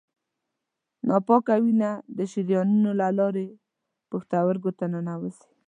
ناپاکه وینه د شریانونو له لارې پښتورګو ته ننوزي.